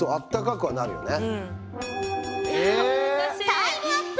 タイムアップ。